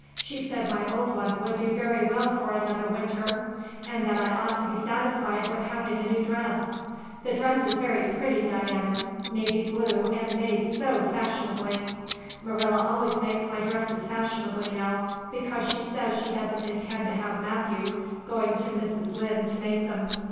She said my old one would do very well for another winter and that I ought to be satisfied with having a new dress. The dress is very pretty, Diana navy blue and made so fashionably. Marilla always makes my dresses fashionably now, because she says she doesn't intend to have Matthew going to Mrs. Lynde to make them.